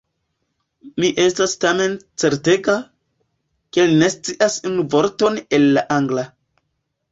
Mi estis tamen certega, ke li ne scias unu vorton el la Angla.